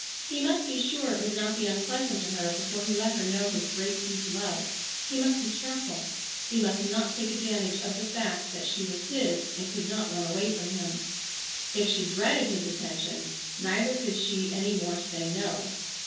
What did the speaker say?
He must be sure it would not be unpleasant to her before he let her know his great deep love. He must be careful. He must not take advantage of the fact that she was his and could not run away from him. If she dreaded his attentions, neither could she any more say no.